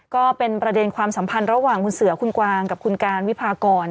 ก็เป็นประเด็นความสัมพันธ์ระหว่างคุณเสือคุณกวางกับคุณการวิพากร